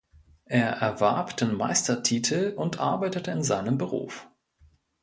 Er erwarb den Meistertitel und arbeitete in seinem Beruf.